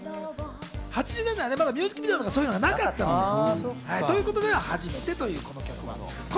８０年代はまだミュージックビデオとかがなかったんです。ということで初めてということ。